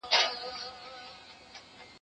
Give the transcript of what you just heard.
نور خلگ پيسې گټي، پښتانه کيسې گټي.